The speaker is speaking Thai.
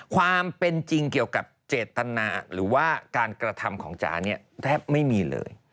ความเป็นจริงเกี่ยวกับเจตนาหรือว่าการกระทำของจ๋าเนี่ยแทบไม่มีเลย